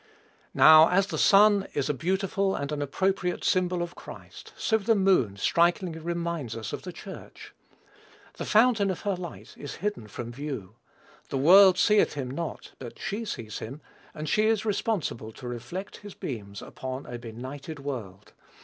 Now, as the sun is a beautiful and an appropriate symbol of Christ, so the moon strikingly reminds us of the Church. The fountain of her light is hidden from view. The world seeth him not, but she sees him; and she is responsible to reflect his beams upon a benighted world.